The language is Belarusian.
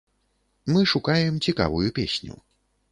Мы шукаем цікавую песню.